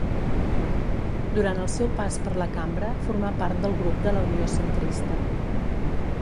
Durant el seu pas per la Cambra formà part del Grup de la Unió -Centrista.